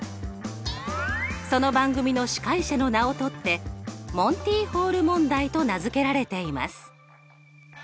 その番組の司会者の名を取ってモンティ・ホール問題と名付けられています。